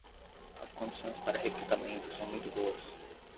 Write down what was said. As condições para recrutamento são muito boas.